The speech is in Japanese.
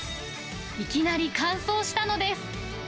いきなり完走したのです。